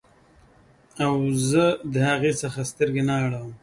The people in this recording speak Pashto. او زه د هغې څخه سترګې نه اړوم